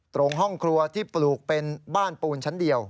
ตรงห้องครัวที่ปลูกเป็นบ้านปูนชั้นเดียว